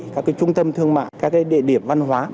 các cái trung tâm thương mạng các cái địa điểm văn hóa